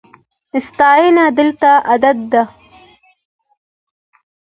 ستاینه دلته عادت ده.